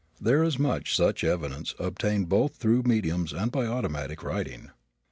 There is much such evidence, obtained both through mediums and by automatic writing.